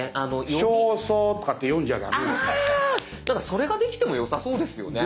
それができてもよさそうですよね。